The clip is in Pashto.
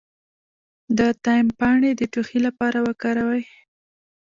د تایم پاڼې د ټوخي لپاره وکاروئ